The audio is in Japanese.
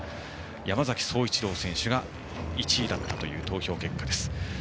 山崎颯一郎選手が１位だったという投票結果です。